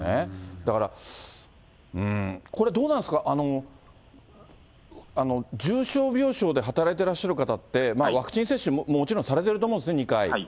だから、これ、どうなんですか、重症病床で働いてらっしゃる方って、ワクチン接種もちろんされてると思うんですよね、２回。